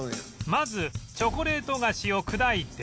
まずチョコレート菓子を砕いて